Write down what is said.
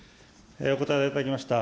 お答えをいただきました。